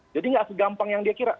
jadi enggak segampang yang dia kira